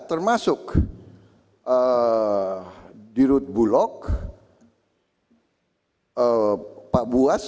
termasuk dirut bulog pak buas